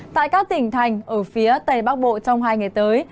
tại các tỉnh thành ở phía tây bắc bộ trong hai ngày tới